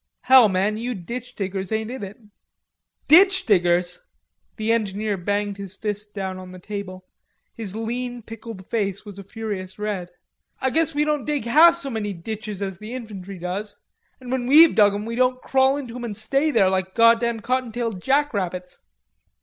Hell, man, you ditch diggers ain't in it." "Ditch diggers!" The engineer banged his fist down on the table. His lean pickled face was a furious red. "I guess we don't dig half so many ditches as the infantry does... an' when we've dug 'em we don't crawl into 'em an' stay there like goddam cottontailed jackrabbits."